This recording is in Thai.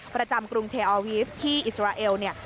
ประจำกรุงเทอร์ออวีฟที่อิสราเอลเนี่ย